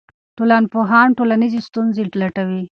ټولنپوهان ټولنیزې ستونزې لټوي.